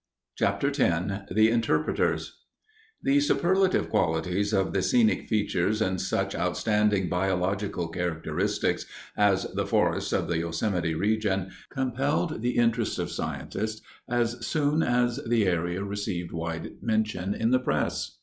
CHAPTER X THE INTERPRETERS The superlative qualities of the scenic features and such outstanding biological characteristics as the forests of the Yosemite region compelled the interest of scientists as soon as the area received wide mention in the press.